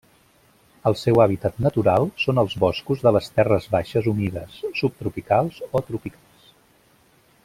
El seu hàbitat natural són els boscos de les terres baixes humides, subtropicals o tropicals.